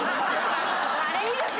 ⁉いいですよ！